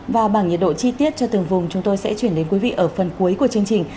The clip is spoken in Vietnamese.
và bảng nhiệt độ chi tiết cho từng vùng chúng tôi sẽ chuyển đến quý vị ở phần cuối của chương trình